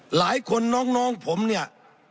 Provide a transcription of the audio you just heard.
หลายคนน้องผมเนี่ย